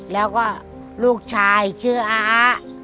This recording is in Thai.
แล้วก็ลูกชายชื่ออา